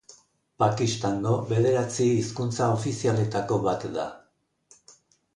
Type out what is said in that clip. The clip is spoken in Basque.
Pakistango bederatzi hizkuntza ofizialetako bat da.